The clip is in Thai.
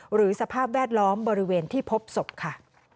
สภาพแวดล้อมบริเวณที่พบศพค่ะ